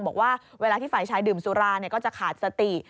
บอกว่าเวลาที่ฝ่ายชายดื่มสุราก็จะขาดสติ